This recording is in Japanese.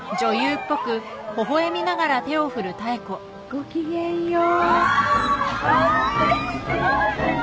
ごきげんよう。